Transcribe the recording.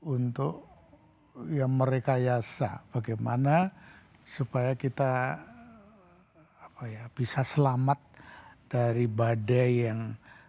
untuk ya merekayasa bagaimana supaya kita bisa selamat dari badai yang